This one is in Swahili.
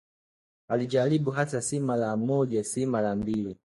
Alijaribu hasa, si mara moja, si mara mbili